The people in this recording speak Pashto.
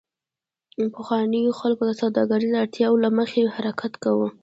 پخوانیو خلکو د سوداګریزو اړتیاوو له مخې حرکت کاوه